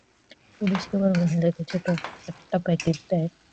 পুরুষ কেবল মহিলাকে একটা ছোট প্যাকেট দেয়।